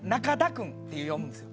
君って読むんですよ。